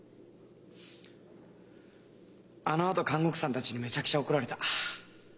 あのあと看護婦さんたちにメチャクチャ怒られた。